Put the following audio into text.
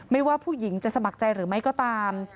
ว่าผู้หญิงจะสมัครใจหรือไม่ก็ตาม